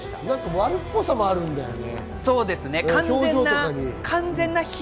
悪っぽさもあるよね。